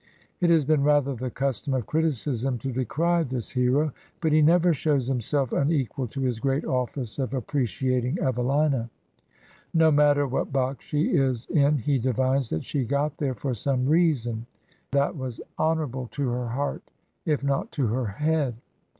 It has been rather the custom of criticism to decry this hero, but he never shows himself unequal to his great office of appreciating Evelina. No matter what box she is in he divines that she got there for some reason that was honorable to her heart if not to her head.